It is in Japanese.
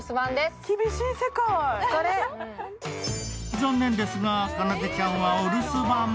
残念ですが、かなでちゃんはお留守番。